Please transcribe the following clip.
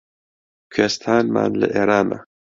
کوێستانمان لە ئێرانە